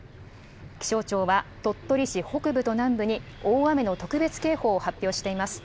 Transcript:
気象庁は、鳥取市北部と南部に、大雨の特別警報を発表しています。